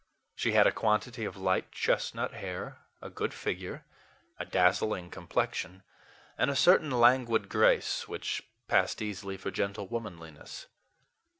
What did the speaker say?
She had a quantity of light chestnut hair, a good figure, a dazzling complexion, and a certain languid grace which passed easily for gentle womanliness.